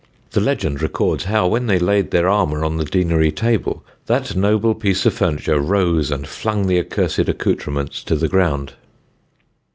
The legend records how, when they laid their armour on the Deanery table, that noble piece of furniture rose and flung the accursed accoutrements to the ground.